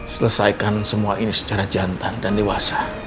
selesaikan semua ini secara jantan dan dewasa